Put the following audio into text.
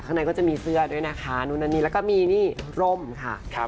คุณผู้ชมไม่เจนเลยค่ะถ้าลูกคุณออกมาได้มั้ยคะ